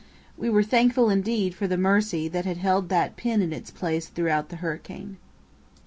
We were thankful indeed for the mercy that had held that pin in its place throughout the hurricane.